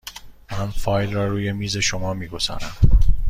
من فایل را روی میز شما می گذارم.